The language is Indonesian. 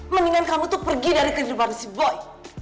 mendingan kamu tuh pergi dari kediri baru si boy